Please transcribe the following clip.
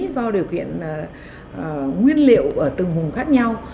do điều kiện nguyên liệu ở từng vùng khác nhau